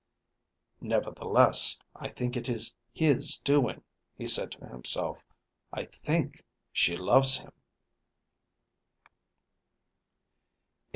"Nevertheless I think it is his doing," he said to himself. "I think she loves him."